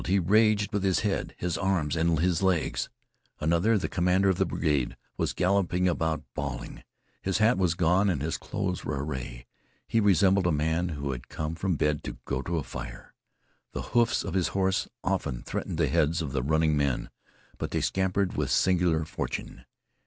He raged with his head, his arms, and his legs. Another, the commander of the brigade, was galloping about bawling. His hat was gone and his clothes were awry. He resembled a man who has come from bed to go to a fire. The hoofs of his horse often threatened the heads of the running men, but they scampered with singular fortune.